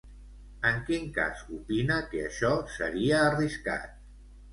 En quin cas opina que això seria arriscat?